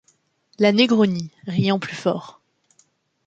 La Negroni, riant plus fort.